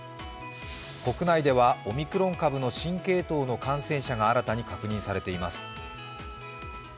国内ではオミクロン株の新系統の感染者が新たに確認されています。